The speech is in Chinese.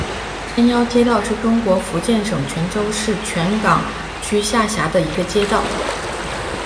山腰街道是中国福建省泉州市泉港区下辖的一个街道。